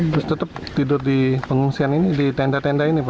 terus tetap tidur di pengungsian ini di tenda tenda ini pak